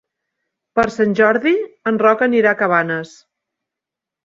Per Sant Jordi en Roc anirà a Cabanes.